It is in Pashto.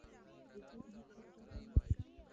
زه د حق دفاع کوم.